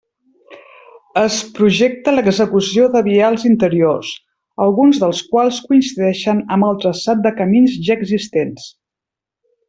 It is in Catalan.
Es projecta l'execució de vials interiors, alguns dels quals coincideixen amb el traçat de camins ja existents.